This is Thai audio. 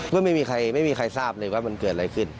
ไม่มีใครไม่มีใครทราบเลยว่ามันเกิดอะไรขึ้น